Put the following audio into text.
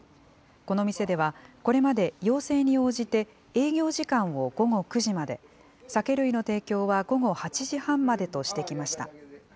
この店では、これまで要請に応じて、営業時間を午後９時まで、酒類の提供は午後８時半までとしてきました。